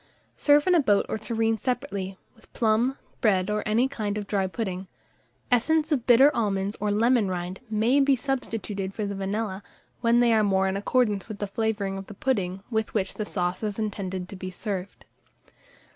Serve in a boat or tureen separately, with plum, bread, or any kind of dry pudding. Essence of bitter almonds or lemon rind may be substituted for the vanilla, when they are more in accordance with the flavouring of the pudding with which the sauce is intended to be served.